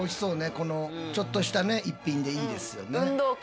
このちょっとした一品でいいですよね。